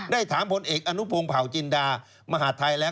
ถามผลเอกอนุพงศ์เผาจินดามหาดไทยแล้ว